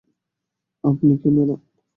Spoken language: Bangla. আপনি কে, ম্যাডাম?